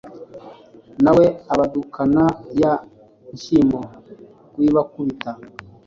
na we abadukana ya nshyimbo kuyibakubita,